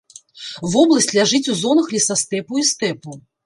Вобласць ляжыць у зонах лесастэпу і стэпу.